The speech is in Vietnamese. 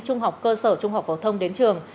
trung học cơ sở trung học phổ thông đến trường